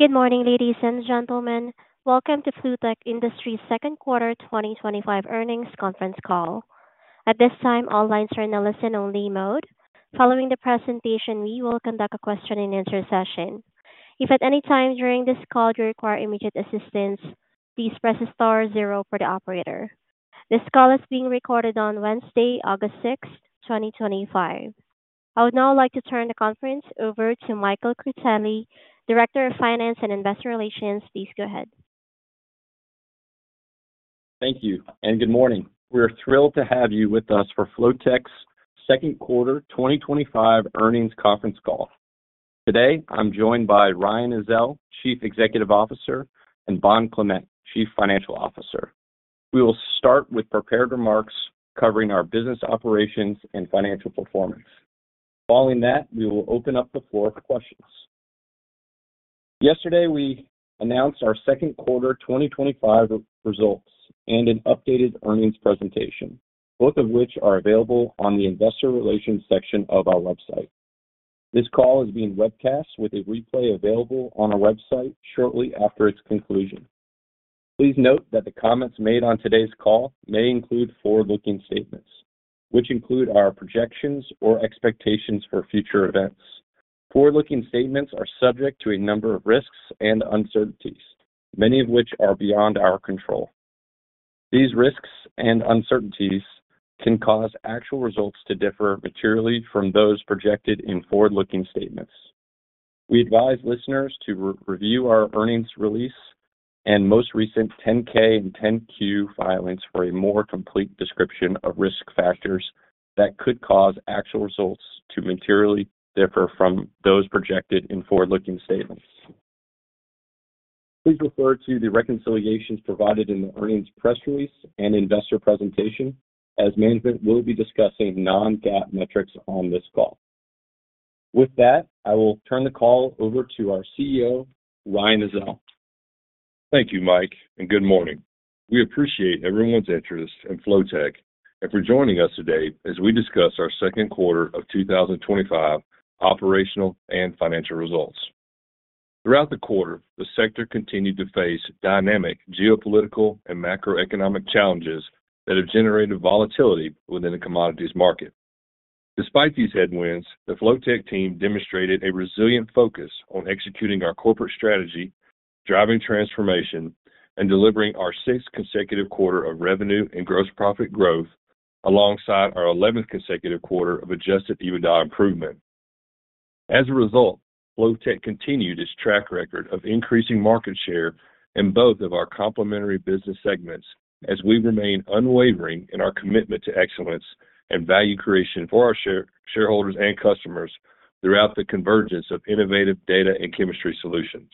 Good morning, ladies and gentlemen. Welcome to Flotek Industries' second quarter 2025 earnings conference call. At this time, all lines are in a listen-only mode. Following the presentation, we will conduct a question-and-answer session. If at any time during this call you require immediate assistance, please press the star zero for the operator. This call is being recorded on Wednesday, August 6, 2025. I would now like to turn the conference over to Michael Critelli, Director of Finance and Investor Relations. Please go ahead. Thank you, and good morning. We're thrilled to have you with us for Flotek's second quarter 2025 earnings conference call. Today, I'm joined by Ryan Ezell, Chief Executive Officer, and Bond Clement, Chief Financial Officer. We will start with prepared remarks covering our business operations and financial performance. Following that, we will open up the floor for questions. Yesterday, we announced our second quarter 2025 results and an updated earnings presentation, both of which are available on the Investor Relations section of our website. This call is being webcast with a replay available on our website shortly after its conclusion. Please note that the comments made on today's call may include forward-looking statements, which include our projections or expectations for future events. Forward-looking statements are subject to a number of risks and uncertainties, many of which are beyond our control. These risks and uncertainties can cause actual results to differ materially from those projected in forward-looking statements. We advise listeners to review our earnings release and most recent 10-K and 10-Q filings for a more complete description of risk factors that could cause actual results to materially differ from those projected in forward-looking statements. Please refer to the reconciliations provided in the earnings press release and investor presentation, as management will be discussing non-GAAP metrics on this call. With that, I will turn the call over to our CEO, Ryan Ezell. Thank you, Mike, and good morning. We appreciate everyone's interest in Flotek and for joining us today as we discuss our second quarter of 2025 operational and financial results. Throughout the quarter, the sector continued to face dynamic geopolitical and macroeconomic challenges that have generated volatility within the commodities market. Despite these headwinds, the Flotek team demonstrated a resilient focus on executing our corporate strategy, driving transformation, and delivering our sixth consecutive quarter of revenue and gross profit growth, alongside our 11th consecutive quarter of adjusted EBITDA improvement. As a result, Flotek continued its track record of increasing market share in both of our complementary business segments, as we've remained unwavering in our commitment to excellence and value creation for our shareholders and customers throughout the convergence of innovative data and chemistry solutions.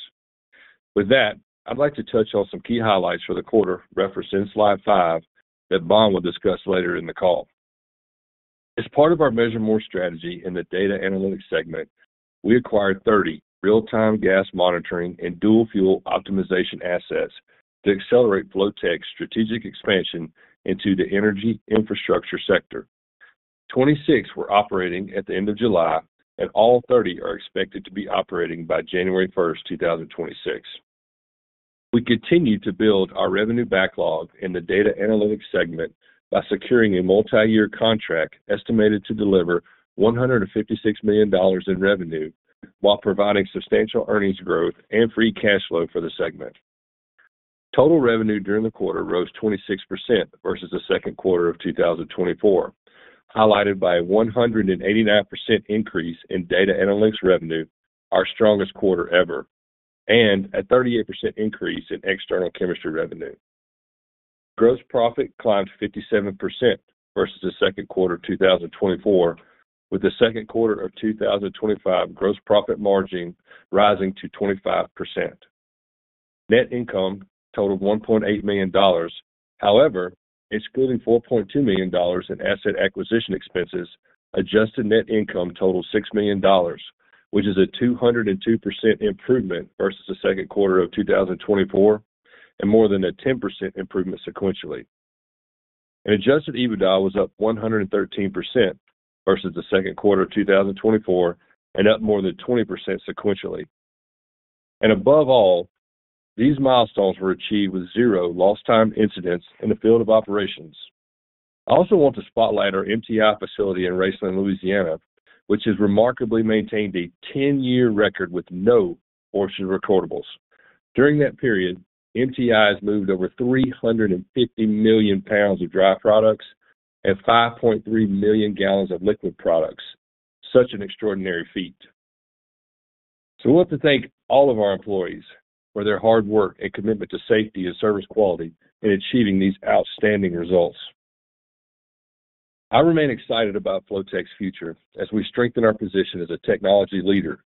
With that, I'd like to touch on some key highlights for the quarter referenced in slide five that Bond will discuss later in the call. As part of our Measure More strategy in the data analytics segment, we acquired 30 real-time gas monitoring and dual-fuel optimization assets to accelerate Flotek's strategic expansion into the energy infrastructure sector. Twenty-six were operating at the end of July, and all 30 are expected to be operating by January 1st, 2026. We continue to build our revenue backlog in the data analytics segment by securing a multi-year contract estimated to deliver $156 million in revenue while providing substantial earnings growth and free cash flow for the segment. Total revenue during the quarter rose 26% versus the second quarter of 2024, highlighted by a 189% increase in data analytics revenue, our strongest quarter ever, and a 38% increase in external chemistry revenue. Gross profit climbed 57% versus the second quarter of 2024, with the second quarter of 2025 gross profit margin rising to 25%. Net income totaled $1.8 million. However, excluding $4.2 million in asset acquisition expenses, adjusted net income totaled $6 million, which is a 202% improvement versus the second quarter of 2024, and more than a 10% improvement sequentially. Adjusted EBITDA was up 113% versus the second quarter of 2024, and up more than 20% sequentially. Above all, these milestones were achieved with zero lost time incidents in the field of operations. I also want to spotlight our MTI facility in Raceland, Louisiana, which has remarkably maintained a 10-year record with no OSHA recordables. During that period, MTI has moved over 350 million pounds of dry products and 5.3 million gallons of liquid products. Such an extraordinary feat. We want to thank all of our employees for their hard work and commitment to safety and service quality in achieving these outstanding results. I remain excited about Flotek's future as we strengthen our position as a technology leader,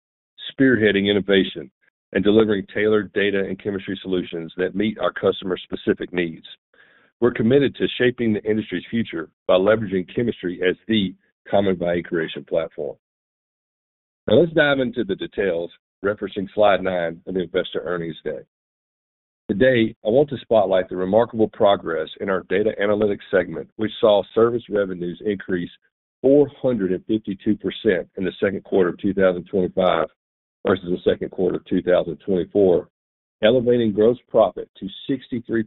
spearheading innovation and delivering tailored data and chemistry solutions that meet our customer-specific needs. We're committed to shaping the industry's future by leveraging chemistry as the common value creation platform. Now let's dive into the details referencing slide nine of the investor earnings deck. Today, I want to spotlight the remarkable progress in our data analytics segment, which saw service revenues increase 452% in the second quarter of 2025 versus the second quarter of 2024, elevating gross profit to 63%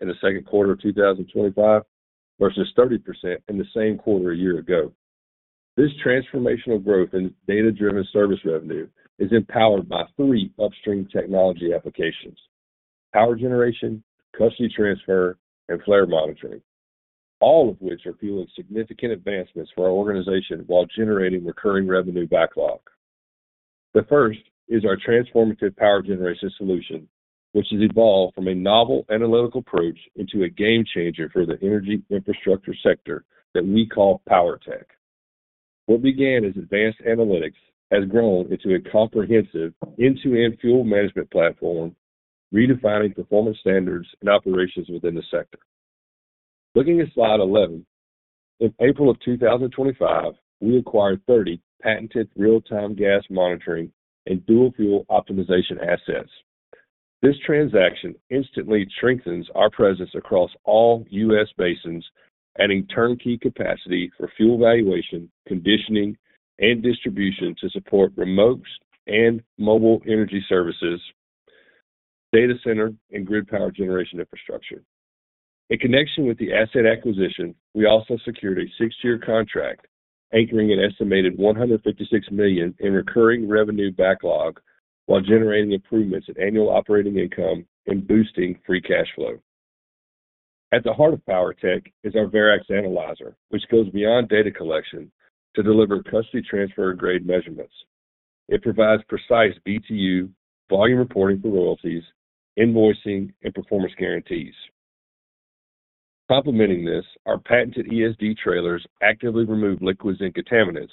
in the second quarter of 2025 versus 30% in the same quarter a year ago. This transformational growth in data-driven service revenue is empowered by three upstream technology applications: power generation, custody transfer, and flare monitoring, all of which are fueling significant advancements for our organization while generating recurring revenue backlog. The first is our transformative power generation solution, which has evolved from a novel analytical approach into a game changer for the energy infrastructure sector that we call PWRtek. What began as advanced analytics has grown into a comprehensive end-to-end fuel management platform, redefining performance standards and operations within the sector. Looking at slide 11, in April of 2025, we acquired 30 patented real-time gas monitoring and dual-fuel optimization assets. This transaction instantly strengthens our presence across all U.S. basins, adding turnkey capacity for fuel valuation, conditioning, and distribution to support remote and mobile energy services, data center, and grid power generation infrastructure. In connection with the asset acquisition, we also secured a six-year contract anchoring an estimated $156 million in recurring revenue backlog while generating improvements in annual operating income and boosting free cash flow. At the heart of PWRtek is our Verax Analyzer, which goes beyond data collection to deliver custody transfer-grade measurements. It provides precise BTU volume reporting for royalties, invoicing, and performance guarantees. Complementing this, our patented ESD Trailer actively removes liquids and contaminants,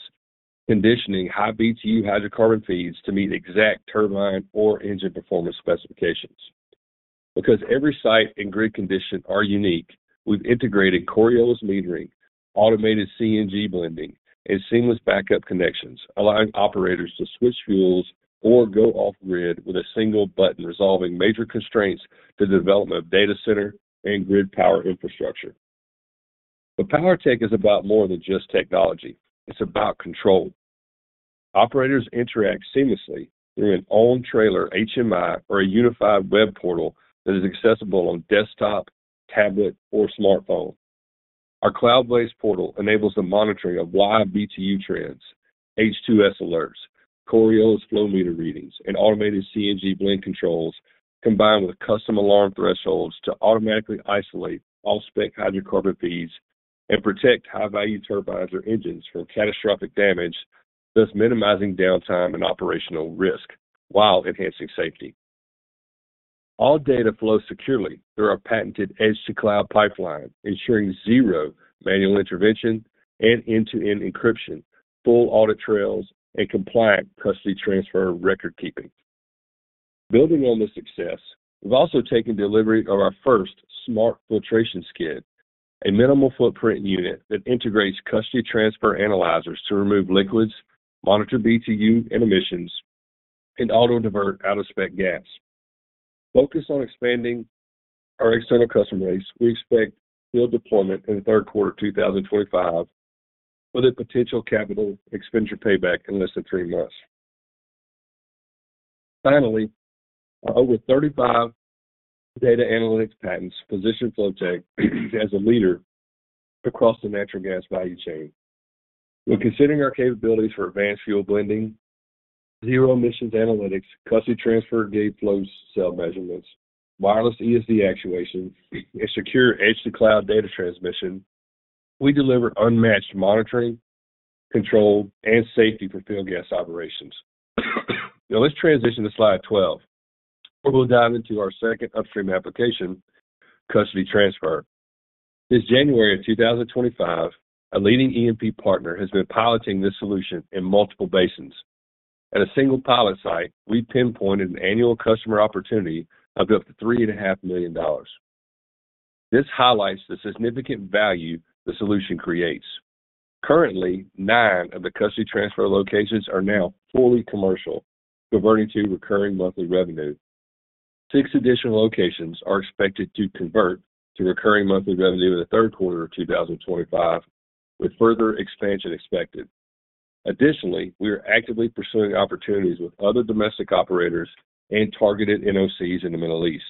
conditioning high BTU hydrocarbon feeds to meet exact turbine or engine performance specifications. Because every site and grid condition is unique, we've integrated Coriolis metering, automated CNG blending, and seamless backup connections, allowing operators to switch fuels or go off-grid with a single button, resolving major constraints to the development of data center and grid power infrastructure. PWRtek is about more than just technology. It's about control. Operators interact seamlessly through an on-trailer HMI or a unified web portal that is accessible on desktop, tablet, or smartphone. Our cloud-based portal enables the monitoring of live BTU trends, H2S alerts, Coriolis flow meter readings, and automated CNG blend controls, combined with custom alarm thresholds to automatically isolate off-spec hydrocarbon feeds and protect high-value turbines or engines from catastrophic damage, thus minimizing downtime and operational risk while enhancing safety. All data flows securely through our patented edge-to-cloud pipeline, ensuring zero manual intervention and end-to-end encryption, full audit trails, and compliant custody transfer record keeping. Building on this success, we've also taken delivery of our first Smart Filtration Skid, a minimal footprint unit that integrates custody transfer analyzers to remove liquids, monitor BTU and emissions, and auto-divert out-of-spec gas. Focused on expanding our external customer base, we expect field deployment in the third quarter of 2025, with a potential capital expenditure payback in less than three months. Over 35 data analytics patents position Flotek as a leader across the natural gas value chain. When considering our capabilities for advanced fuel blending, zero emissions analytics, custody transfer gate flow cell measurements, wireless ESD actuation, and secure edge-to-cloud data transmission, we deliver unmatched monitoring, control, and safety for field gas operations. Now let's transition to slide 12, where we'll dive into our second upstream application, custody transfer. Since January of 2025, a leading E&P partner has been piloting this solution in multiple basins. At a single pilot site, we pinpointed an annual customer opportunity of up to $3.5 million. This highlights the significant value the solution creates. Currently, nine of the custody transfer locations are now fully commercial, converting to recurring monthly revenue. Six additional locations are expected to convert to recurring monthly revenue in the third quarter of 2025, with further expansion expected. Additionally, we are actively pursuing opportunities with other domestic operators and targeted NOCs in the Middle East.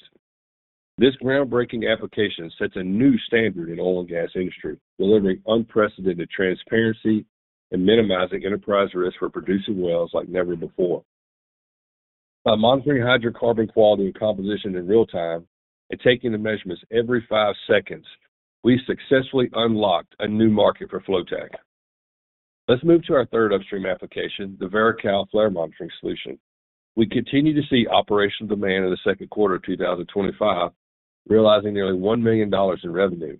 This groundbreaking application sets a new standard in the oil and gas industry, delivering unprecedented transparency and minimizing enterprise risk for producing wells like never before. By monitoring hydrocarbon quality and composition in real time and taking the measurements every five seconds, we successfully unlocked a new market for Flotek. Let's move to our third upstream application, the Verax Analyzer flare monitoring solution. We continue to see operational demand in the second quarter of 2025, realizing nearly $1 million in revenue.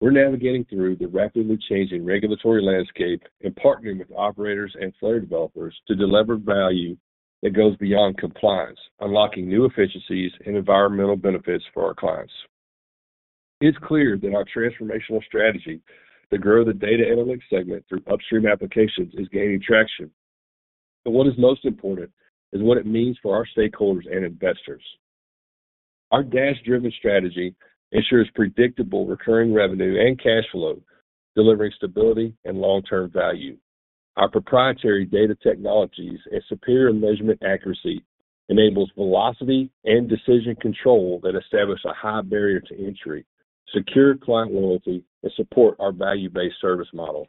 We're navigating through the rapidly changing regulatory landscape and partnering with operators and flare developers to deliver value that goes beyond compliance, unlocking new efficiencies and environmental benefits for our clients. It's clear that our transformational strategy to grow the data analytics segment through upstream applications is gaining traction. What is most important is what it means for our stakeholders and investors. Our DASH-driven strategy ensures predictable recurring revenue and cash flow, delivering stability and long-term value. Our proprietary data technologies and superior measurement accuracy enable velocity and decision control that establish a high barrier to entry, secure client loyalty, and support our value-based service model.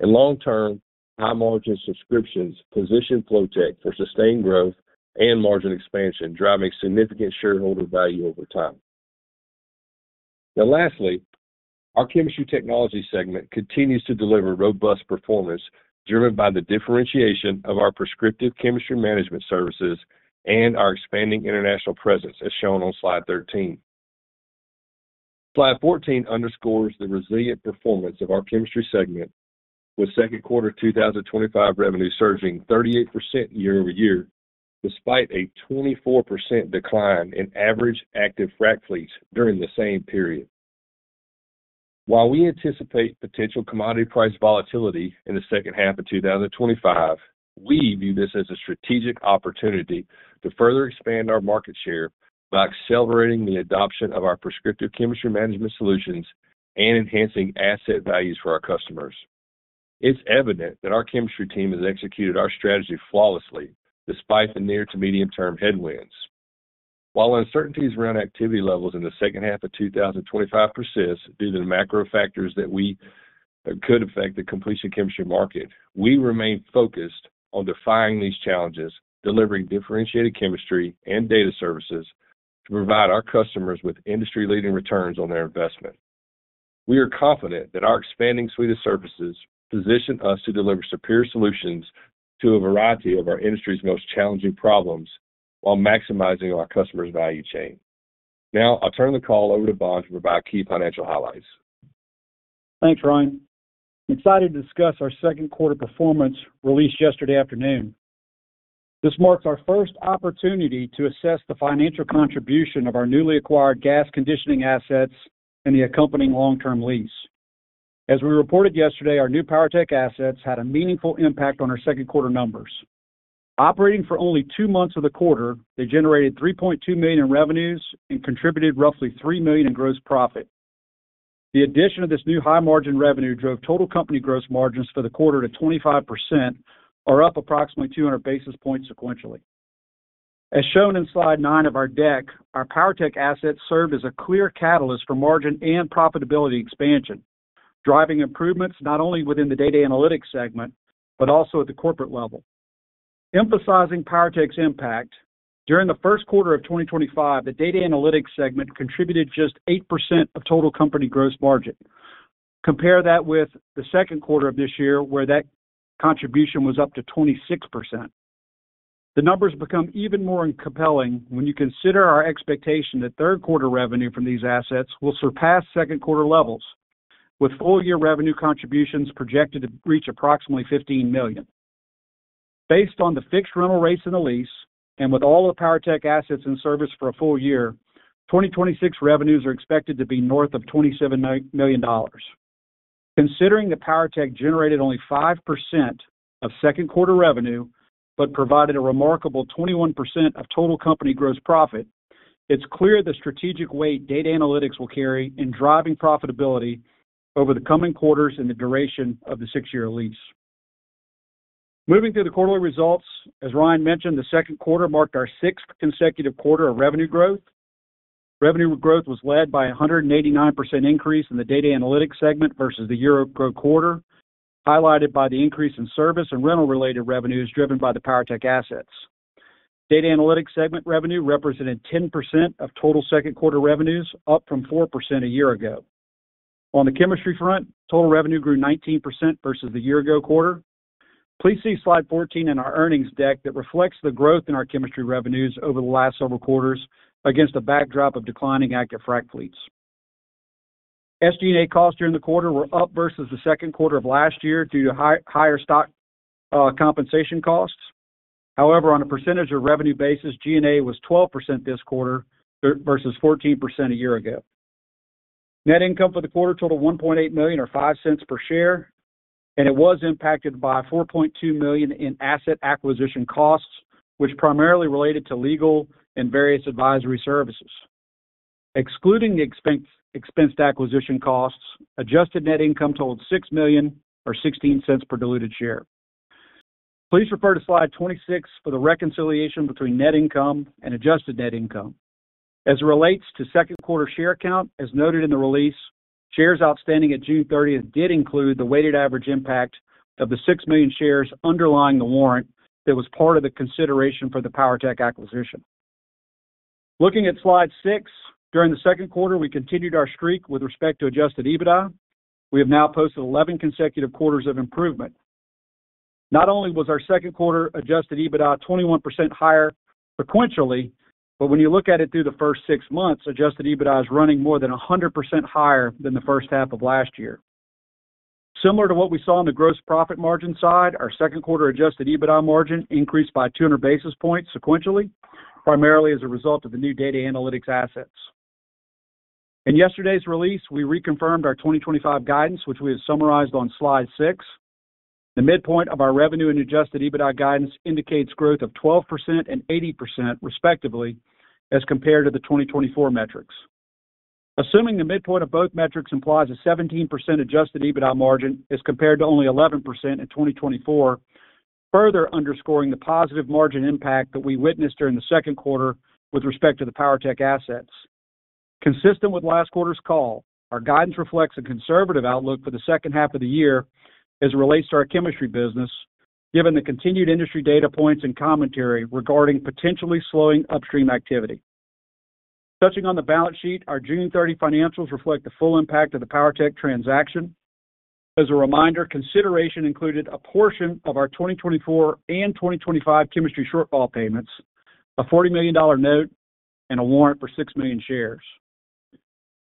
In long term, high margin subscriptions position Flotek for sustained growth and margin expansion, driving significant shareholder value over time. Now, lastly, our chemistry technology segment continues to deliver robust performance driven by the differentiation of our Prescriptive Chemistry Management Services and our expanding international presence, as shown on slide 13. Slide 14 underscores the resilient performance of our chemistry segment, with second quarter 2025 revenue surging 38% year-over-year, despite a 24% decline in average active frac fleets during the same period. While we anticipate potential commodity price volatility in the second half of 2025, we view this as a strategic opportunity to further expand our market share by accelerating the adoption of our prescriptive chemistry management solutions and enhancing asset values for our customers. It's evident that our chemistry team has executed our strategy flawlessly, despite the near to medium-term headwinds. While uncertainties around activity levels in the second half of 2025 persist due to the macro factors that could affect the completion chemistry market, we remain focused on defying these challenges, delivering differentiated chemistry and data services to provide our customers with industry-leading returns on their investment. We are confident that our expanding suite of services positions us to deliver superior solutions to a variety of our industry's most challenging problems while maximizing our customers' value chain. Now, I'll turn the call over to Bond to provide key financial highlights. Thanks, Ryan. Excited to discuss our second quarter performance released yesterday afternoon. This marks our first opportunity to assess the financial contribution of our newly acquired gas conditioning assets and the accompanying long-term lease. As we reported yesterday, our new PWRtek assets had a meaningful impact on our second quarter numbers. Operating for only two months of the quarter, they generated $3.2 million in revenues and contributed roughly $3 million in gross profit. The addition of this new high margin revenue drove total company gross margins for the quarter to 25%, or up approximately 200 basis points sequentially. As shown in slide nine of our deck, our PWRtek assets served as a clear catalyst for margin and profitability expansion, driving improvements not only within the data analytics segment, but also at the corporate level. Emphasizing PWRtek's impact, during the first quarter of 2025, the data analytics segment contributed just 8% of total company gross margin. Compare that with the second quarter of this year, where that contribution was up to 26%. The numbers become even more compelling when you consider our expectation that third quarter revenue from these assets will surpass second quarter levels, with full-year revenue contributions projected to reach approximately $15 million. Based on the fixed rental rates in the lease and with all of PWRtek assets in service for a full year, 2026 revenues are expected to be north of $27 million. Considering that PWRtek generated only 5% of second quarter revenue, but provided a remarkable 21% of total company gross profit, it's clear the strategic weight data analytics will carry in driving profitability over the coming quarters and the duration of the six-year lease. Moving through the quarterly results, as Ryan mentioned, the second quarter marked our sixth consecutive quarter of revenue growth. Revenue growth was led by a 189% increase in the data analytics segment versus the year-over-quarter, highlighted by the increase in service and rental-related revenues driven by the PWRtek assets. Data analytics segment revenue represented 10% of total second quarter revenues, up from 4% a year ago. On the chemistry front, total revenue grew 19% versus the year-ago quarter. Please see slide 14 in our earnings deck that reflects the growth in our chemistry revenues over the last several quarters against the backdrop of declining active frac fleets. SG&A costs during the quarter were up versus the second quarter of last year due to higher stock compensation costs. However, on a percentage of revenue basis, G&A was 12% this quarter versus 14% a year ago. Net income for the quarter totaled $1.8 million or $0.05 per share, and it was impacted by $4.2 million in asset acquisition costs, which primarily related to legal and various advisory services. Excluding the expense to acquisition costs, adjusted net income totaled $6 million or $0.16 per diluted share. Please refer to slide 26 for the reconciliation between net income and adjusted net income. As it relates to second quarter share count, as noted in the release, shares outstanding at June 30th did include the weighted average impact of the 6 million shares underlying the warrant that was part of the consideration for the PWRtek acquisition. Looking at slide six, during the second quarter, we continued our streak with respect to adjusted EBITDA. We have now posted 11 consecutive quarters of improvement. Not only was our second quarter adjusted EBITDA 21% higher sequentially, but when you look at it through the first six months, adjusted EBITDA is running more than 100% higher than the first half of last year. Similar to what we saw on the gross profit margin side, our second quarter adjusted EBITDA margin increased by 200 basis points sequentially, primarily as a result of the new data analytics assets. In yesterday's release, we reconfirmed our 2025 guidance, which we have summarized on slide six. The midpoint of our revenue and adjusted EBITDA guidance indicates growth of 12% and 80% respectively as compared to the 2024 metrics. Assuming the midpoint of both metrics implies a 17% adjusted EBITDA margin as compared to only 11% in 2024, further underscoring the positive margin impact that we witnessed during the second quarter with respect to the PWRtek assets. Consistent with last quarter's call, our guidance reflects a conservative outlook for the second half of the year as it relates to our chemistry business, given the continued industry data points and commentary regarding potentially slowing upstream activity. Touching on the balance sheet, our June 30 financials reflect the full impact of the PWRtek transaction. As a reminder, consideration included a portion of our 2024 and 2025 chemistry shortfall payments, a $40 million note, and a warrant for 6 million shares.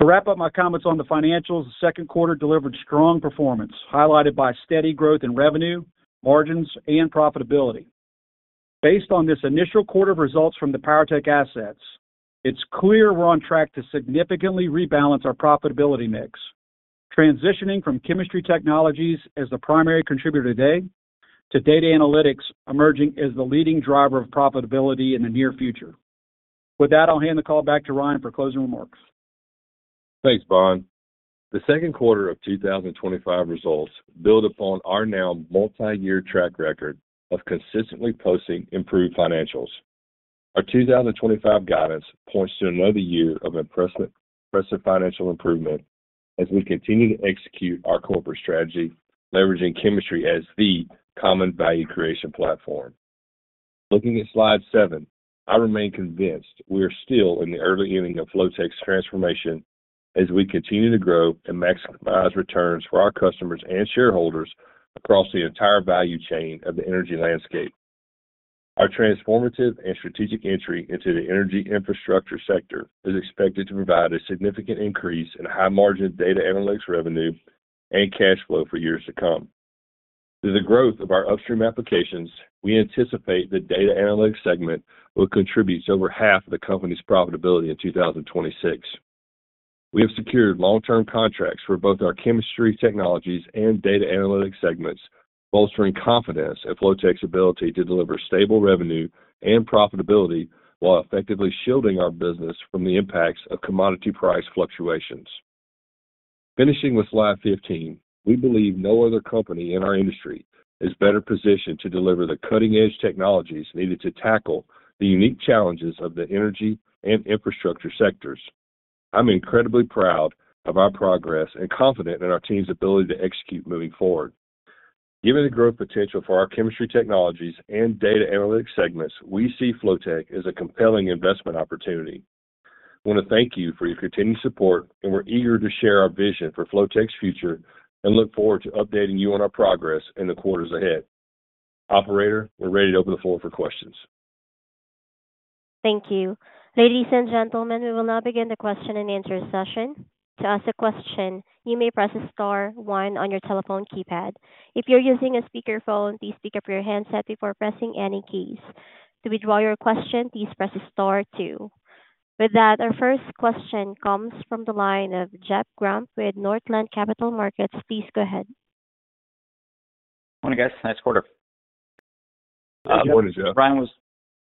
To wrap up my comments on the financials, the second quarter delivered strong performance, highlighted by steady growth in revenue, margins, and profitability. Based on this initial quarter of results from the PWRtek assets, it's clear we're on track to significantly rebalance our profitability mix, transitioning from chemistry technologies as the primary contributor today to data analytics emerging as the leading driver of profitability in the near future. With that, I'll hand the call back to Ryan for closing remarks. Thanks, Bond. The second quarter of 2025 results build upon our now multi-year track record of consistently posting improved financials. Our 2025 guidance points to another year of impressive financial improvement as we continue to execute our corporate strategy, leveraging chemistry as the common value creation platform. Looking at slide seven, I remain convinced we are still in the early inning of Flotek's transformation as we continue to grow and maximize returns for our customers and shareholders across the entire value chain of the energy landscape. Our transformative and strategic entry into the energy infrastructure sector is expected to provide a significant increase in high margin data analytics revenue and cash flow for years to come. Through the growth of our upstream applications, we anticipate the data analytics segment will contribute to over half of the company's profitability in 2026. We have secured long-term contracts for both our chemistry technologies and data analytics segments, bolstering confidence in Flotek's ability to deliver stable revenue and profitability while effectively shielding our business from the impacts of commodity price fluctuations. Finishing with slide 15, we believe no other company in our industry is better positioned to deliver the cutting-edge technologies needed to tackle the unique challenges of the energy and infrastructure sectors. I'm incredibly proud of our progress and confident in our team's ability to execute moving forward. Given the growth potential for our chemistry technologies and data analytics segments, we see Flotek as a compelling investment opportunity. I want to thank you for your continued support, and we're eager to share our vision for Flotek's future and look forward to updating you on our progress in the quarters ahead. Operator, we're ready to open the floor for questions. Thank you. Ladies and gentlemen, we will now begin the question-and answer session. To ask a question, you may press the star one on your telephone keypad. If you're using a speakerphone, please pick up your handset before pressing any keys. To withdraw your question, please press the star two. With that, our first question comes from the line of Jeff Grampp with Northland Capital Markets. Please go ahead. Morning, guys. Nice quarter. Morning, Jeff.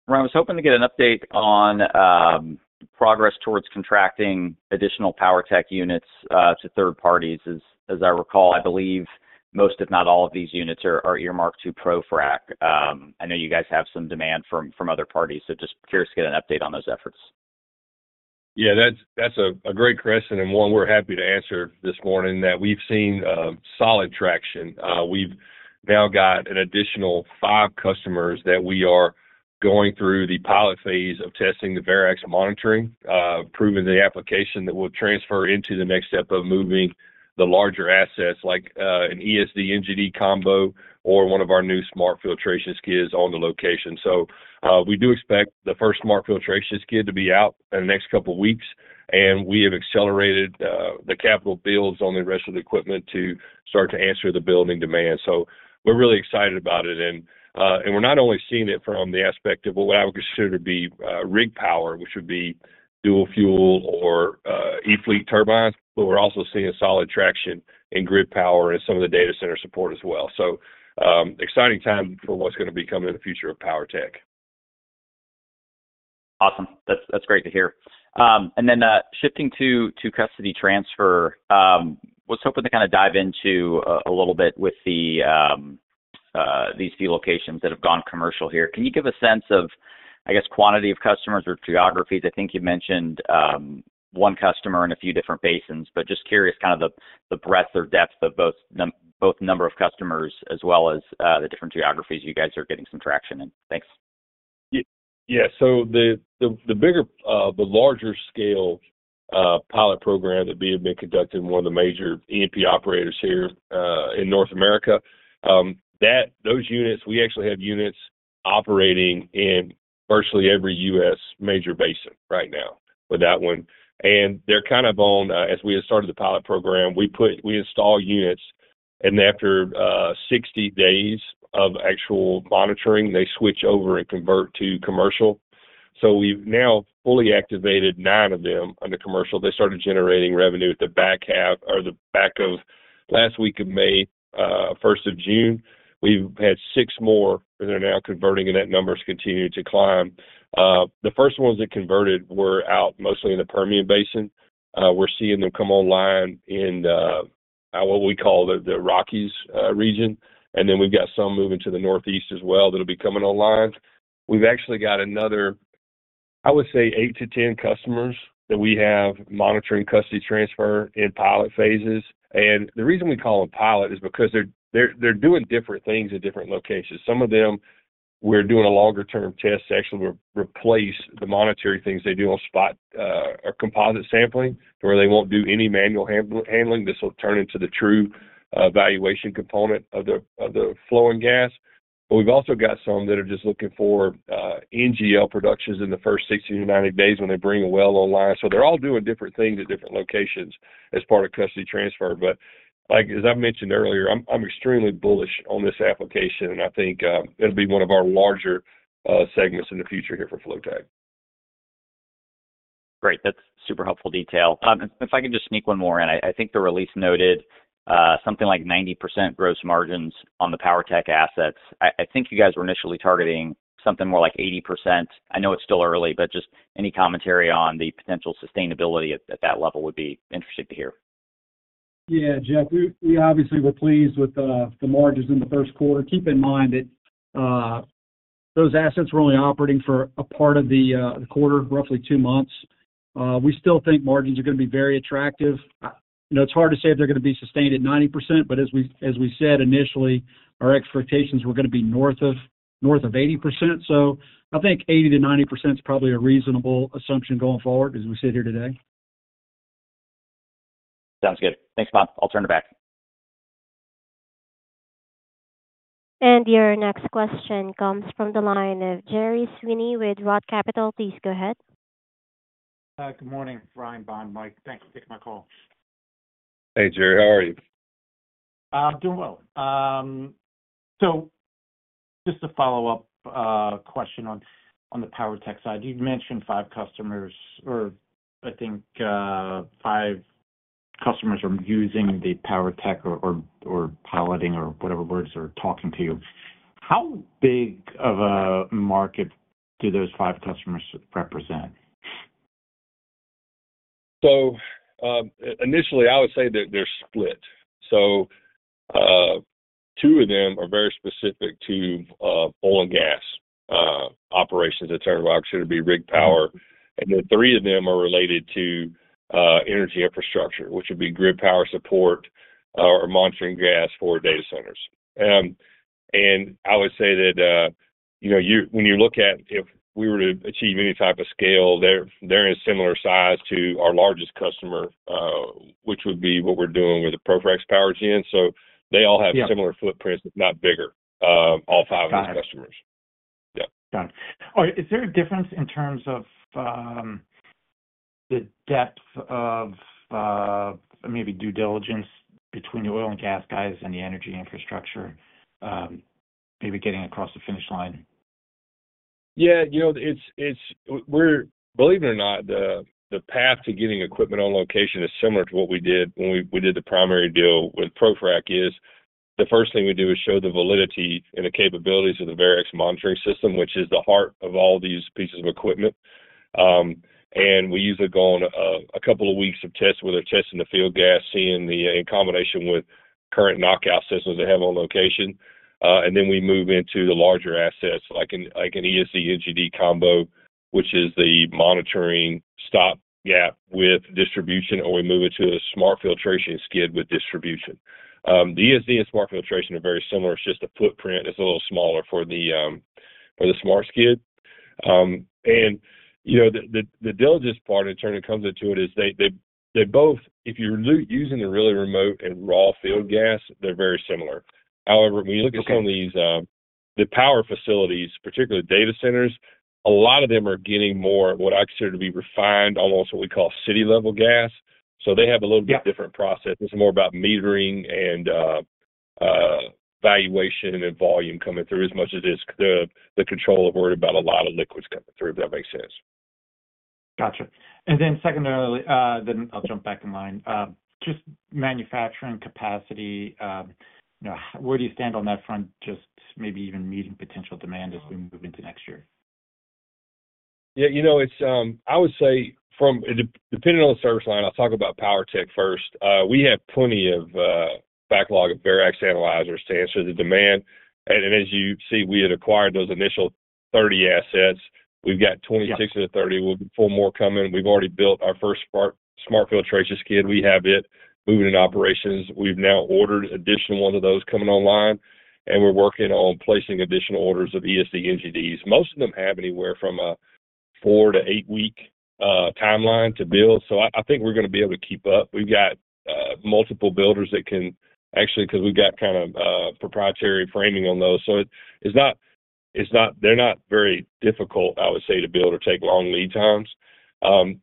Ryan, was hoping to get an update on progress towards contracting additional PWRtek units to third parties. As I recall, I believe most, if not all, of these units are earmarked to ProFrac. I know you guys have some demand from other parties, so just curious to get an update on those efforts. Yeah, that's a great question and one we're happy to answer this morning that we've seen solid traction. We've now got an additional five customers that we are going through the pilot phase of testing the Verax monitoring, proving the application that will transfer into the next step of moving the larger assets like an ESD-NGD combo or one of our new Smart Filtration Skids on the location. We do expect the first Smart Filtration Skid to be out in the next couple of weeks, and we have accelerated the capital builds on the rest of the equipment to start to answer the building demand. We're really excited about it. We're not only seeing it from the aspect of what I would consider to be rig power, which would be dual-fuel or e-fleet turbines, but we're also seeing solid traction in grid power and some of the data center support as well. Exciting time for what's going to become in the future of PWRtek. Awesome. That's great to hear. Shifting to custody transfer, I was hoping to kind of dive into a little bit with these few locations that have gone commercial here. Can you give a sense of, I guess, quantity of customers or geographies? I think you mentioned one customer in a few different basins, but just curious about the breadth or depth of both the number of customers as well as the different geographies you guys are getting some traction in. Thanks. Yeah. The bigger, the larger scale pilot program that we have been conducting with one of the major E&P operators here in North America, those units, we actually have units operating in virtually every U.S. major basin right now with that one. They're kind of on, as we had started the pilot program, we put, we install units, and after 60 days of actual monitoring, they switch over and convert to commercial. We've now fully activated nine of them under commercial. They started generating revenue at the back half or the back of last week of May, 1st of June. We've had six more, and they're now converting, and that number is continuing to climb. The first ones that converted were out mostly in the Permian Basin. We're seeing them come online in what we call the Rockies region. We've got some moving to the Northeast as well that'll be coming online. We've actually got another, I would say, 8-10 customers that we have monitoring custody transfer in pilot phases. The reason we call them pilot is because they're doing different things in different locations. Some of them, we're doing a longer-term test to actually replace the monetary things they do on spot, or composite sampling, where they won't do any manual handling. This will turn into the true evaluation component of the flowing gas. We've also got some that are just looking for NGL productions in the first 60-90 days when they bring a well online. They're all doing different things at different locations as part of custody transfer. Like I mentioned earlier, I'm extremely bullish on this application, and I think it'll be one of our larger segments in the future here for Flotek. Great. That's super helpful detail. If I could just sneak one more in, I think the release noted something like 90% gross margins on the PWRtek assets. I think you guys were initially targeting something more like 80%. I know it's still early, but just any commentary on the potential sustainability at that level would be interesting to hear. Yeah, Jeff, we obviously were pleased with the margins in the first quarter. Keep in mind that those assets were only operating for a part of the quarter, roughly two months. We still think margins are going to be very attractive. It's hard to say if they're going to be sustained at 90%, but as we said initially, our expectations were going to be north of 80%. I think 80%-90% is probably a reasonable assumption going forward as we sit here today. Sounds good. Thanks, Bond. I'll turn it back. Your next question comes from the line of Gerry Sweeney with ROTH Capital. Please go ahead. Good morning. It's Ryan, Bond, Mike. Thanks for taking my call. Hey, Gerry. How are you? I'm doing well. Just a follow-up question on the PWRtek side. You mentioned five customers, or I think five customers are using the PWRtek or piloting or whatever words are talking to you. How big of a market do those five customers represent? Initially, I would say that they're split. Two of them are very specific to oil and gas operations that turn around, which would be rig power. Three of them are related to energy infrastructure, which would be grid power support or monitoring gas for data centers. I would say that, you know, when you look at if we were to achieve any type of scale, they're in a similar size to our largest customer, which would be what we're doing with the ProFrac PowerGen. They all have similar footprints, but not bigger, all five of these customers. Got it. All right. Is there a difference in terms of the depth of maybe due diligence between the oil and gas guys and the energy infrastructure, maybe getting across the finish line? Yeah, you know, believe it or not, the path to getting equipment on location is similar to what we did when we did the primary deal with ProFrac. The first thing we do is show the validity and the capabilities of the Verax monitoring system, which is the heart of all these pieces of equipment. We usually go on a couple of weeks of tests where they're testing the field gas, seeing the in combination with current knockout systems they have on location. We move into the larger assets, like an ESD-NGD combo, which is the monitoring stop gap with distribution, or we move it to a Smart Filtration Skid with distribution. The ESD and Smart Filtration are very similar. It's just the footprint is a little smaller for the smart skid. The diligence part in turning comes into it is they both, if you're using the really remote and raw field gas, they're very similar. However, when you look at some of these, the power facilities, particularly data centers, a lot of them are getting more what I consider to be refined, almost what we call city-level gas. They have a little bit different process. This is more about metering and valuation and volume coming through as much as it is the control of worrying about a lot of liquids coming through, if that makes sense. Gotcha. Then I'll jump back in line. Just manufacturing capacity, you know, where do you stand on that front, just maybe even meeting potential demand as we move into next year? Yeah, you know, I would say depending on the service line, I'll talk about PWRtek first. We have plenty of backlog of Verax Analyzer to answer the demand. As you see, we had acquired those initial 30 assets. We've got 26 of the 30. We'll get four more coming. We've already built our first Smart Filtration Skid. We have it moving in operations. We've now ordered additional ones of those coming online. We're working on placing additional orders of ESD-NGD. Most of them have anywhere from a four- to eight-week timeline to build. I think we're going to be able to keep up. We've got multiple builders that can actually, because we've got kind of proprietary framing on those. They're not very difficult, I would say, to build or take long lead times.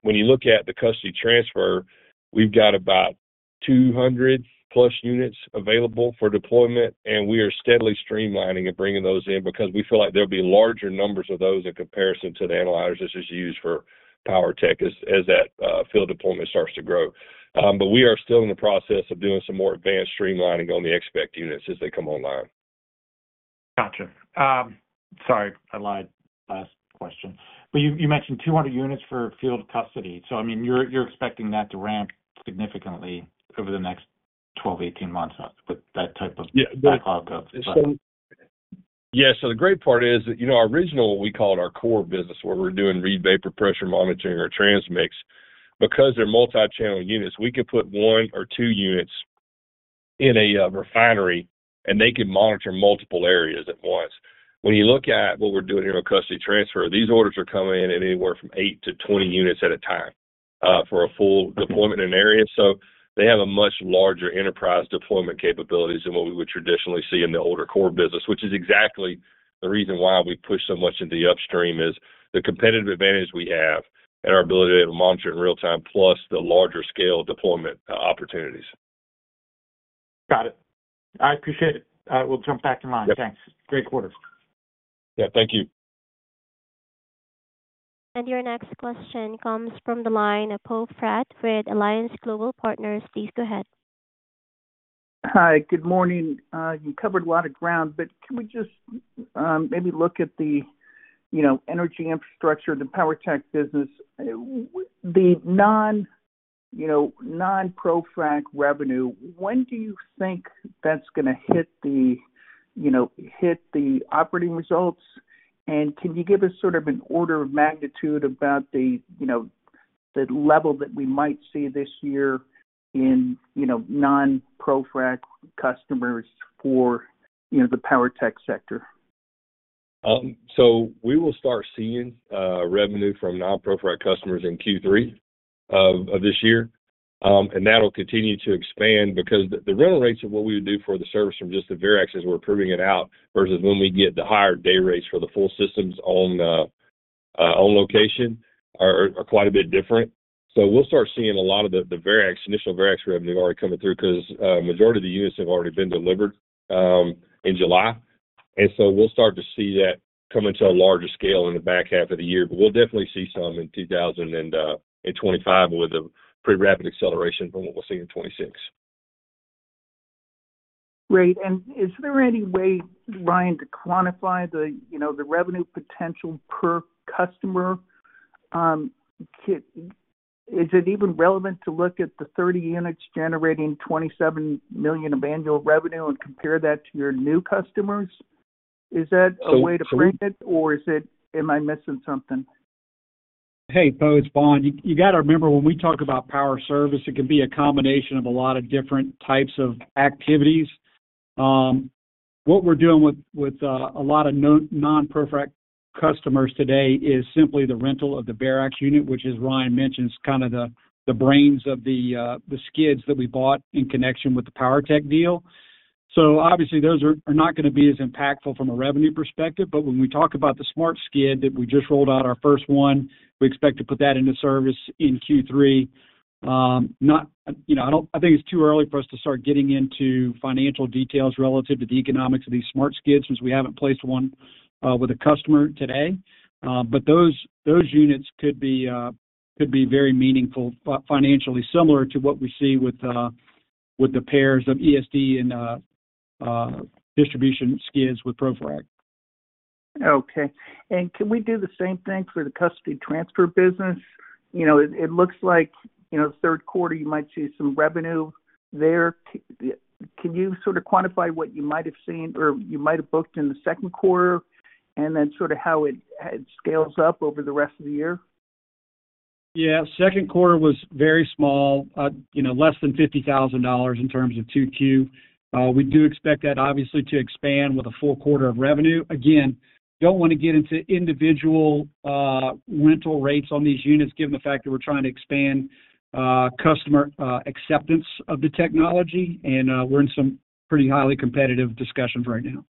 When you look at the custody transfer, we've got about 200+ units available for deployment, and we are steadily streamlining and bringing those in because we feel like there'll be larger numbers of those in comparison to the analyzers that are used for PWRtek as that field deployment starts to grow. We are still in the process of doing some more advanced streamlining on the expect units as they come online. Gotcha. Sorry, I lied. Last question. You mentioned 200 units for field custody. You're expecting that to ramp significantly over the next 12-18 months with that type of cloud growth. Yeah. The great part is that, you know, our original, what we called our core business, where we're doing Reid vapor pressure monitoring or transmix, because they're multi-channel units, we could put one or two units in a refinery, and they could monitor multiple areas at once. When you look at what we're doing here on custody transfer, these orders are coming in anywhere from 8 to 20 units at a time for a full deployment in an area. They have a much larger enterprise deployment capability than what we would traditionally see in the older core business, which is exactly the reason why we push so much into the upstream is the competitive advantage we have and our ability to monitor in real time, plus the larger scale deployment opportunities. Got it. I appreciate it. We'll jump back in line. Thanks. Great quarter. Yeah, thank you. Your next question comes from the line of Poe Fratt with Alliance Global Partners. Please go ahead. Hi. Good morning. You covered a lot of ground. Can we just maybe look at the energy infrastructure, the PWRtek business, the non-ProFrac revenue? When do you think that's going to hit the operating results? Can you give us sort of an order of magnitude about the level that we might see this year in non-ProFrac customers for the PWRtek sector? We will start seeing revenue from non-ProFrac customers in Q3 of this year. That'll continue to expand because the rental rates of what we would do for the service from just the Verax as we're proving it out versus when we get the higher day rates for the full systems on location are quite a bit different. We'll start seeing a lot of the initial Verax revenue already coming through because the majority of the units have already been delivered in July, and we'll start to see that come into a larger scale in the back half of the year. We'll definitely see some in 2024 and in 2025 with a pretty rapid acceleration from what we'll see in 2026. Is there any way, Ryan, to quantify the revenue potential per customer? Is it even relevant to look at the 30 units generating $27 million of annual revenue and compare that to your new customers? Is that a way to frame it, or am I missing something? Hey, Poe. Bond, you got to remember when we talk about power service, it could be a combination of a lot of different types of activities. What we're doing with a lot of non-ProFrac customers today is simply the rental of the Verax unit, which as Ryan mentioned, is kind of the brains of the skids that we bought in connection with the PWRtek deal. Obviously, those are not going to be as impactful from a revenue perspective. When we talk about the Smart Skid that we just rolled out, our first one, we expect to put that into service in Q3. I think it's too early for us to start getting into financial details relative to the economics of these smart skids since we haven't placed one with a customer today. Those units could be very meaningful, financially similar to what we see with the pairs of ESD and distribution skids with ProFrac. Okay. Can we do the same thing for the custody transfer business? It looks like the third quarter, you might see some revenue there. Can you sort of quantify what you might have seen or you might have booked in the second quarter and then sort of how it scales up over the rest of the year? Second quarter was very small, you know, less than $50,000 in terms of 2Q. We do expect that, obviously, to expand with a full quarter of revenue. Again, don't want to get into individual rental rates on these units given the fact that we're trying to expand customer acceptance of the technology, and we're in some pretty highly competitive discussions right now.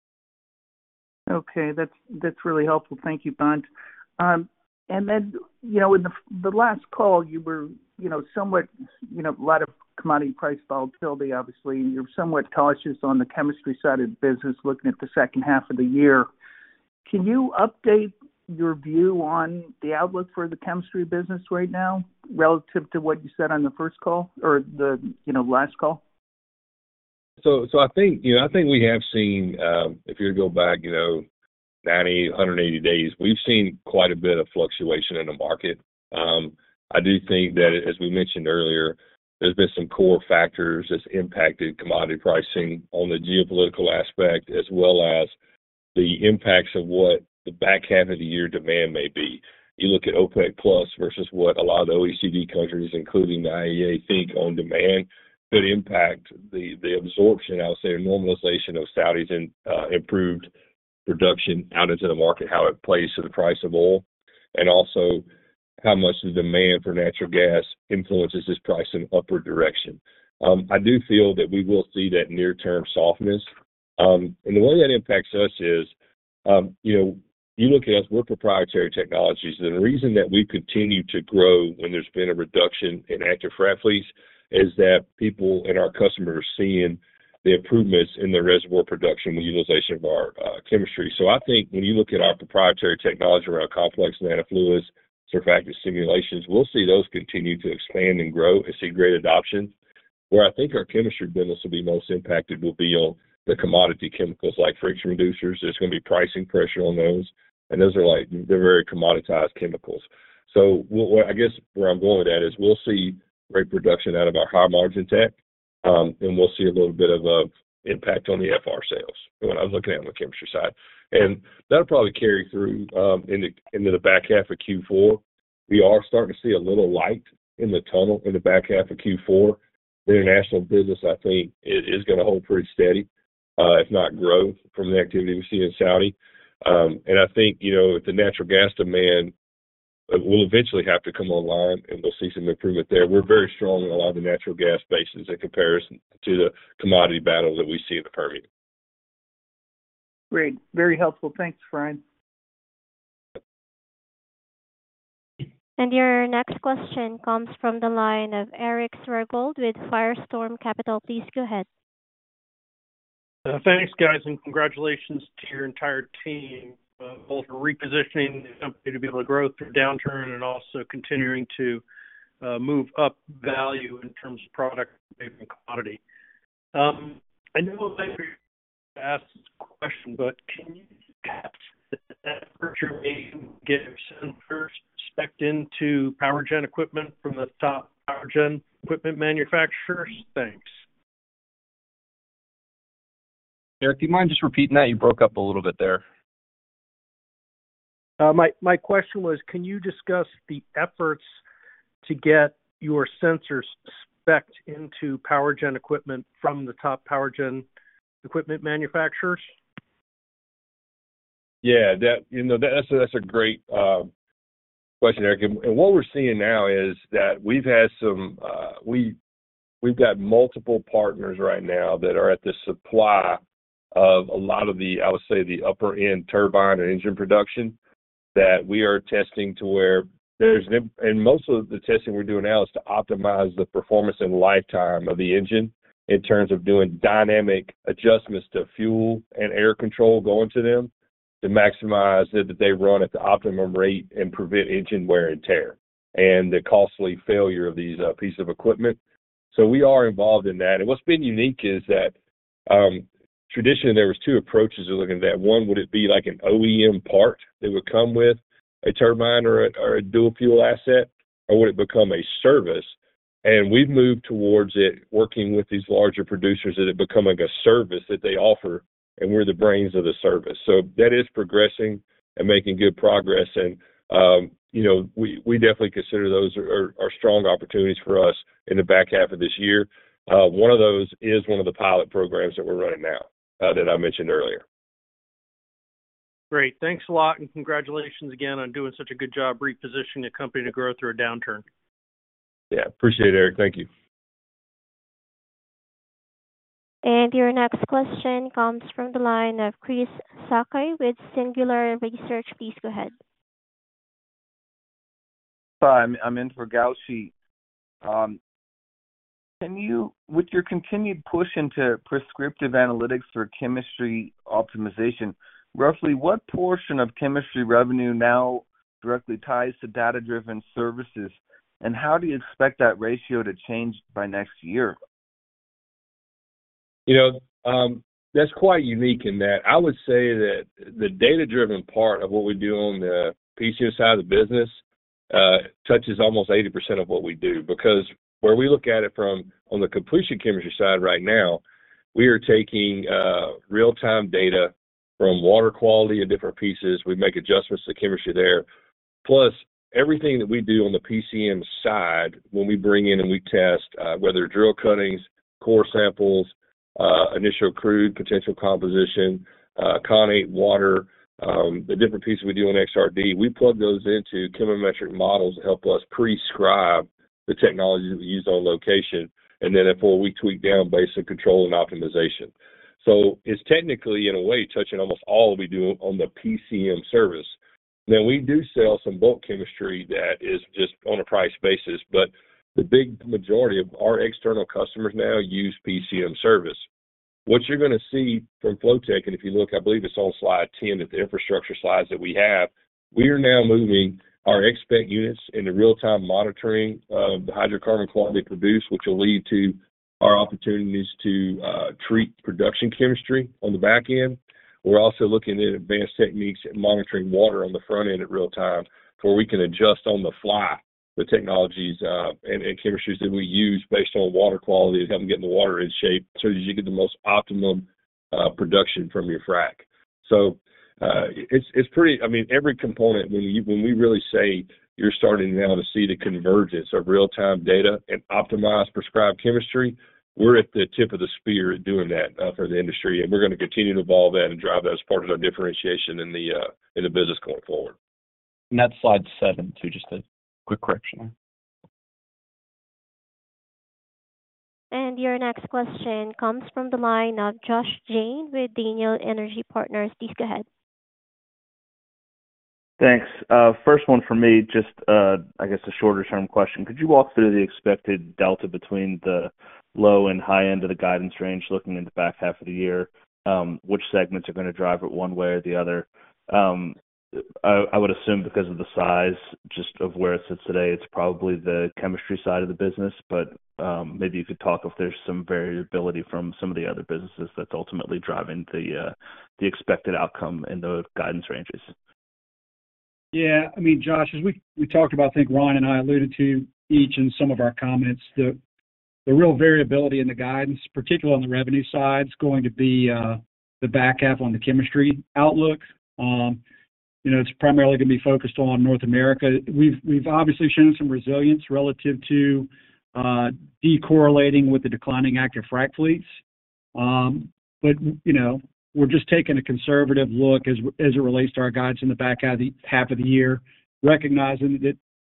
Okay. That's really helpful. Thank you, Bond. In the last call, you were, you know, a lot of commodity price volatility, obviously, and you're somewhat cautious on the chemistry side of the business looking at the second half of the year. Can you update your view on the outlook for the chemistry business right now relative to what you said on the first call or the last call? I think we have seen, if you go back 90, 180 days, we've seen quite a bit of fluctuation in the market. I do think that, as we mentioned earlier, there's been some core factors that have impacted commodity pricing on the geopolitical aspect as well as the impacts of what the back half of the year demand may be. You look at OPEC+ versus what a lot of OECD countries, including the IEA, think on demand could impact the absorption, I'll say, normalization of Saudis and improved production out into the market, how it plays to the price of oil, and also how much the demand for natural gas influences its price in an upward direction. I do feel that we will see that near-term softness. The way that impacts us is, you look at us, we're proprietary technologies. The reason that we continue to grow when there's been a reduction in active frac fleets is that people and our customers are seeing the improvements in their reservoir production with utilization of our chemistry. I think when you look at our proprietary technology around complex nanofluids, surfactant simulations, we'll see those continue to expand and grow and see great adoption. Where I think our chemistry business will be most impacted will be on the commodity chemicals like friction reducers. There's going to be pricing pressure on those, and those are very commoditized chemicals. I guess where I'm going with that is we'll see great production out of our high margin tech, and we'll see a little bit of impact on the FR sales when I'm looking at it on the chemistry side. That'll probably carry through into the back half of Q4. We are starting to see a little light in the tunnel in the back half of Q4. The international business, I think, is going to hold pretty steady, if not grow, from the activity we see in Saudi. I think the natural gas demand will eventually have to come online, and we'll see some improvement there. We're very strong in a lot of the natural gas basins in comparison to the commodity battle that we see in the Permian. Great. Very helpful. Thanks, Ryan. Your next question comes from the line of Eric Swergold with Firestorm Capital. Please go ahead. Thanks, guys, and congratulations to your entire team both for repositioning the company to be able to grow through downturn and also continuing to move up value in terms of product and commodity. I know I've asked a question, but can you trickle in and get everyone into power generation equipment from the top power generation equipment manufacturers? Thanks. Eric, do you mind just repeating that? You broke up a little bit there. My question was, can you discuss the efforts to get your sensors specced into power geeration equipment from the top power generation equipment manufacturers? Yeah, that's a great question, Eric. What we're seeing now is that we've got multiple partners right now that are at the supply of a lot of the, I would say, the upper-end turbine and engine production that we are testing to where there's an, and most of the testing we're doing now is to optimize the performance and lifetime of the engine in terms of doing dynamic adjustments to fuel and air control going to them to maximize that they run at the optimum rate and prevent engine wear and tear and the costly failure of these pieces of equipment. We are involved in that. What's been unique is that, traditionally, there were two approaches to looking at that. One, would it be like an OEM part that would come with a turbine or a dual-fuel asset, or would it become a service? We've moved towards it, working with these larger producers that it becomes a service that they offer, and we're the brains of the service. That is progressing and making good progress. We definitely consider those are strong opportunities for us in the back half of this year. One of those is one of the pilot programs that we're running now that I mentioned earlier. Great. Thanks a lot, and congratulations again on doing such a good job repositioning the company to grow through a downturn. Yeah, appreciate it, Eric. Thank you. Your next question comes from the line of Chris Sakai with Singular Research. Please go ahead. Hi. I'm in Gaushi. With your continued push into prescriptive analytics for chemistry optimization, roughly what portion of chemistry revenue now directly ties to data-driven services, and how do you expect that ratio to change by next year? That's quite unique in that I would say that the data-driven part of what we do on the PCS side of the business touches almost 80% of what we do because where we look at it from on the completion chemistry side right now, we are taking real-time data from water quality of different pieces. We make adjustments to the chemistry there. Plus, everything that we do on the PCM side, when we bring in and we test whether drill cuttings, core samples, initial crude potential composition, connate water, the different pieces we do on XRD, we plug those into chemometric models to help us prescribe the technology that we use on location. That's where we tweak down based on control and optimization. It's technically, in a way, touching almost all that we do on the PCM service. We do sell some bulk chemistry that is just on a price basis, but the big majority of our external customers now use PCM Services. What you're going to see from Flotek and if you look, I believe it's on slide 10 of the infrastructure slides that we have, we are now moving our expect units into real-time monitoring of the hydrocarbon quantity produced, which will lead to our opportunities to treat production chemistry on the back end. We're also looking at advanced techniques at monitoring water on the front end in real time where we can adjust on the fly the technologies and chemistries that we use based on water quality and helping get the water in shape so that you get the most optimum production from your frac. Every component, when we really say you're starting now to see the convergence of real-time data and optimized prescribed chemistry, we're at the tip of the spear at doing that for the industry. We're going to continue to evolve that and drive those parts of our differentiation in the business going forward. That's slide seven, too, just a quick correction there. Your next question comes from the line of Josh Jayne with Daniel Energy Partners. Please go ahead. Thanks. First one for me, just a shorter-term question. Could you walk through the expected delta between the low and high end of the guidance range looking into the back half of the year? Which segments are going to drive it one way or the other? I would assume because of the size, just of where it sits today, it's probably the chemistry side of the business, but maybe you could talk if there's some variability from some of the other businesses that's ultimately driving the expected outcome in those guidance ranges. Yeah. I mean, Josh, as we talked about, I think Ryan and I alluded to each in some of our comments, the real variability in the guidance, particularly on the revenue side, is going to be the back half on the chemistry outlook. It's primarily going to be focused on North America. We've obviously shown some resilience relative to decorrelating with the declining active frac fleets. We're just taking a conservative look as it relates to our guidance in the back half of the year, recognizing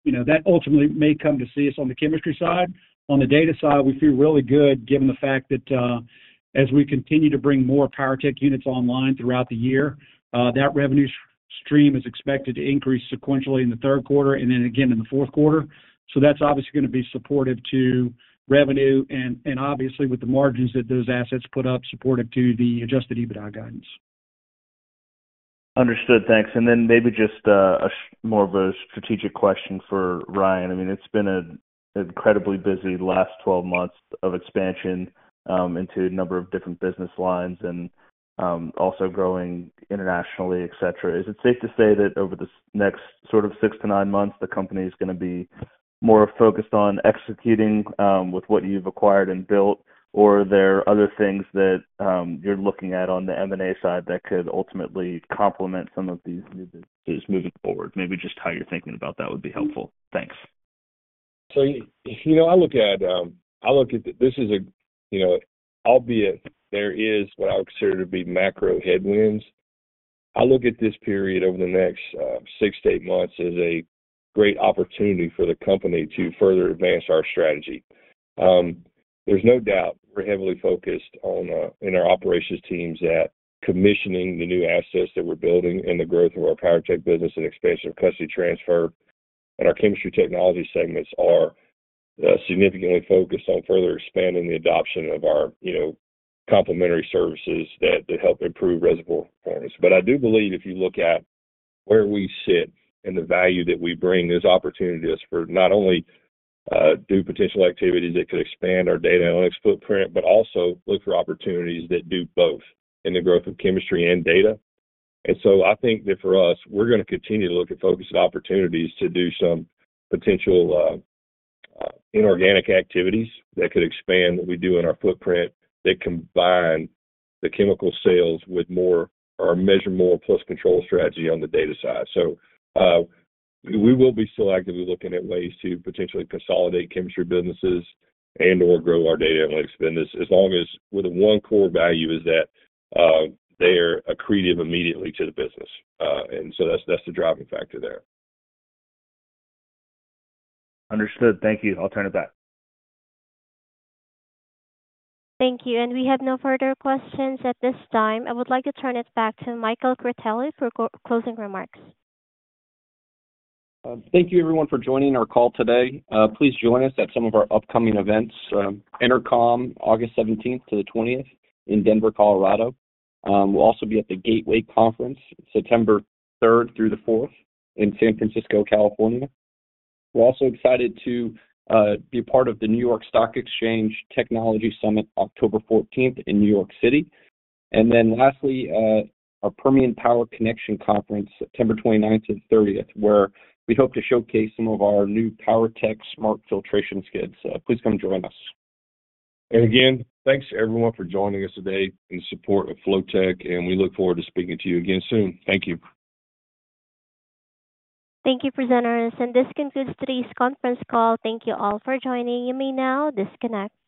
that ultimately may come to see us on the chemistry side. On the data side, we feel really good given the fact that as we continue to bring more PWRTek units online throughout the year, that revenue stream is expected to increase sequentially in the third quarter and then again in the fourth quarter. That's obviously going to be supportive to revenue and obviously with the margins that those assets put up, supportive to the adjusted EBITDA guidance. Understood. Thanks. Maybe just a more of a strategic question for Ryan. I mean, it's been an incredibly busy last 12 months of expansion into a number of different business lines and also growing internationally, etc. Is it safe to say that over the next sort of six to nine months, the company is going to be more focused on executing with what you've acquired and built, or are there other things that you're looking at on the M&A side that could ultimately complement some of these moving forward? Maybe just how you're thinking about that would be helpful. Thanks. I look at this as, albeit there is what I would consider to be macro headwinds, I look at this period over the next six to eight months as a great opportunity for the company to further advance our strategy. There's no doubt we're heavily focused on our operations teams commissioning the new assets that we're building and the growth of our PWRtek business, and expansion of custody transfer and our chemistry technology segments are significantly focused on further expanding the adoption of our complementary services that help improve reservoir plannings. I do believe if you look at where we sit and the value that we bring, there's opportunity for not only potential activities that could expand our data analytics footprint, but also opportunities that do both in the growth of chemistry and data. I think that for us, we're going to continue to look at focusing opportunities to do some potential inorganic activities that could expand what we do in our footprint that combine the chemical sales with more or measure more plus control strategy on the data side. We will be still actively looking at ways to potentially consolidate chemistry businesses and/or grow our data analytics business, as long as with the one core value is that they're accretive immediately to the business. That's the driving factor there. Understood. Thank you. I'll turn it back. Thank you. We have no further questions at this time. I would like to turn it back to Michael Critelli for closing remarks. Thank you, everyone, for joining our call today. Please join us at some of our upcoming events: Intercom, August 17th to the 20th in Denver, Colorado. We'll also be at the Gateway Conference, September 3rd through the 4th in San Francisco, California. We're also excited to be a part of the New York Stock Exchange Technology Summit, October 14th in New York City. Lastly, at a Permian Power Connection Conference, September 29th and 30th, we hope to showcase some of our new PowerTech Smart Filtration Skids. Please come and join us. Thank you, everyone, for joining us today in support of Flotek. We look forward to speaking to you again soon. Thank you. Thank you, presenters. This concludes today's conference call. Thank you all for joining. You may now disconnect.